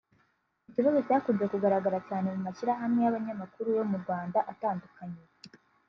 Ikibazo cyakunze kugaragara cyane mu mashyirahamwe y’abanyamakuru yo mu Rwanda atandukanye